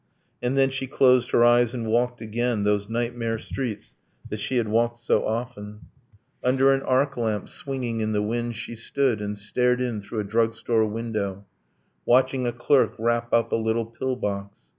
And then she closed her eyes and walked again Those nightmare streets that she had walked so often: Under an arc lamp swinging in the wind She stood, and stared in through a drug store window, Watching a clerk wrap up a little pill box.